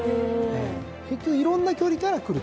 結局いろんな距離からくる。